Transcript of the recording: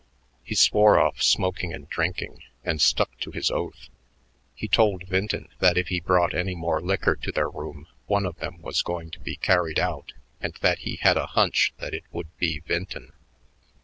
He swore off smoking and drinking and stuck to his oath. He told Vinton that if he brought any more liquor to their room one of them was going to be carried out, and that he had a hunch that it would be Vinton.